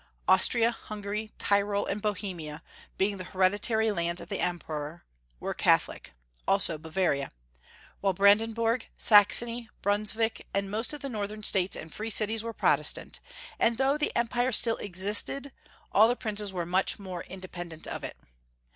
Austria, Hungary, Tyrol, and Bohemia, being the hereditary lands of the Emperor, were Catholic, also Bavaria; while Brandenburg, Sax ony, Brunswick, and most of the northern states and free cities were Protestant, and though the Empire still existed, all the princes were much more independent of it.